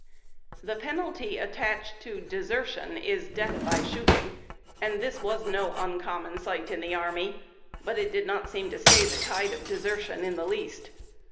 The penalty attaching to desertion is death by shooting, and this was no uncommon sight in the army ; but it did not seem to stay the tide of desertion in the least.